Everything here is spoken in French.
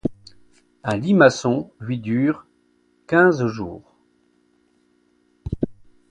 Un limaçon lui dure quinze jours.